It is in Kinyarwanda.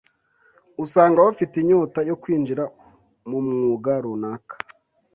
usanga bafite inyota yo kwinjira mu mwuga runaka